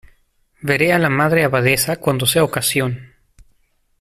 veré a la Madre Abadesa cuando sea ocasión.